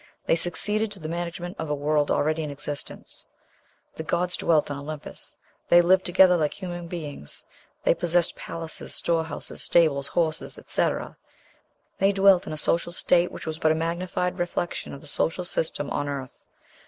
They succeeded to the management of a world already in existence. The gods dwelt on Olympus. They lived together like human beings; they possessed palaces, storehouses, stables, horses, etc.; "they dwelt in a social state which was but a magnified reflection of the social system on earth.